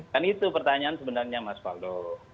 kan itu pertanyaan sebenarnya mas faldo